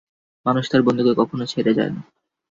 মানুষ তার বন্ধুকে কখনো ছেড়ে যায় না।